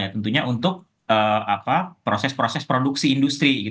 tentunya untuk proses proses produksi industri